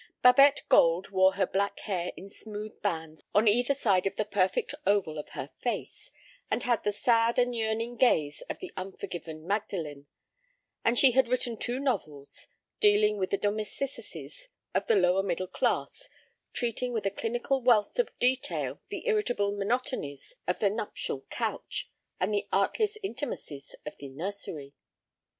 Babette Gold wore her black hair in smooth bands on either side of the perfect oval of her face, and had the sad and yearning gaze of the unforgiven Magdalen, and she had written two novels dealing with the domesticities of the lower middle class, treating with a clinical wealth of detail the irritable monotonies of the nuptial couch and the artless intimacies of the nursery.